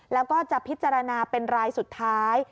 แล้วก็จะพิจารณาเป็นรายสุดท้าย